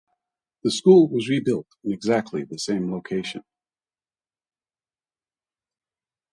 The school was rebuilt in exactly the same location.